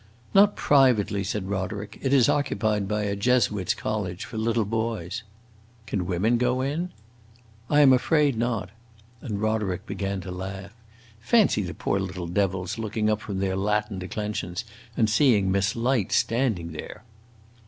"Not privately," said Roderick. "It is occupied by a Jesuits' college, for little boys." "Can women go in?" "I am afraid not." And Roderick began to laugh. "Fancy the poor little devils looking up from their Latin declensions and seeing Miss Light standing there!"